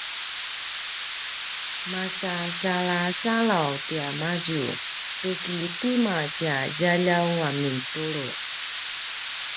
masasalasalaw tiamadju tu ki tima tja djaljaw a mintuluq